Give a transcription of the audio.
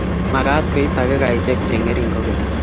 magaat koib takikaishek chengering kogeny